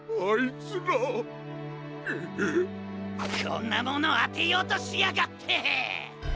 こんなものあてようとしやがって！